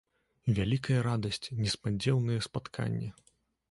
Вялікая радасць, неспадзеўнае спатканне.